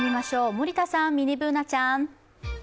森田さん、ミニＢｏｏｎａちゃん。